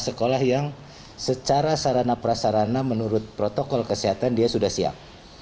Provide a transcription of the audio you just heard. sekolah yang secara sarana prasarana menurut protokol kesehatan dia sudah siap